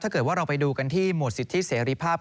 ถ้าเกิดว่าเราไปดูกันที่หมวดสิทธิเสรีภาพ